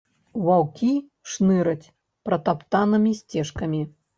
Ваўкі шныраць пратаптанымі сцежкамі.